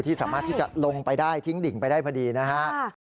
สามารถที่จะลงไปได้ทิ้งดิ่งไปได้พอดีนะฮะ